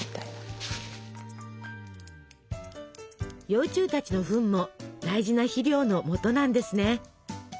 幼虫たちのフンも大事な肥料のもとなんですね。